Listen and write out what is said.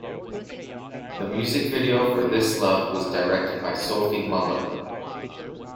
The music video for "This Love" was directed by Sophie Muller.